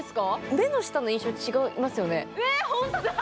目の下の印象、違いますよね。